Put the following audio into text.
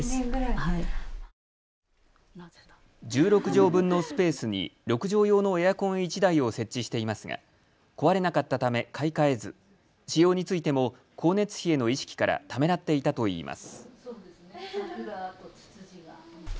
１６畳分のスペースに６畳用のエアコン１台を設置していますが壊れなかったため買い替えず使用についても光熱費への意識からためらっていたといいます。